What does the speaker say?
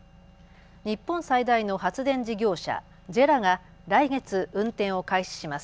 日本最大の発電事業者、ＪＥＲＡが来月運転を開始します。